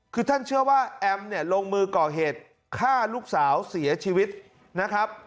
คือท่านเชื่อว่าแอมเนี่ยลงมือก่อเหตุฆ่าลูกสาวเสียชีวิตนะครับ